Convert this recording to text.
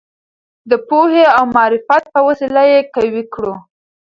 د پوهې او معرفت په وسیله یې قوي کړو.